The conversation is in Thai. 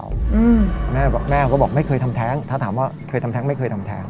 อืมแม่แม่ก็บอกไม่เคยทำแท้งถ้าถามว่าเคยทำแท้งไม่เคยทำแท้ง